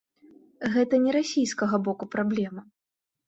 Гэта не расійскага боку праблема.